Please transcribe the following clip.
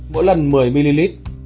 mỗi lần một mươi ml